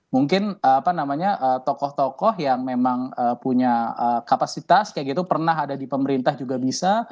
mungkin apa namanya tokoh tokoh yang memang punya kapasitas kayak gitu pernah ada di pemerintah juga bisa